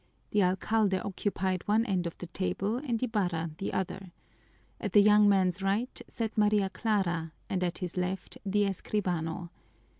The alcalde occupied one end of the table and Ibarra the other. At the young man's right sat Maria Clara and at his left the escribano.